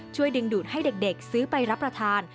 ช่วยดึงดูดให้เด็กซื้อไปรับประทาน